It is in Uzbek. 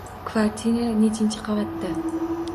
Kvartira nechinchi qavatda?